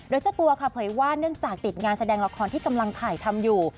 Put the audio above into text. โดยเจ้าตัวค่ะเผยว่าเนื่องจากติดงานแสดงละครที่กำลังถ่ายทำอยู่